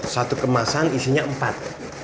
satu kemasan isinya empat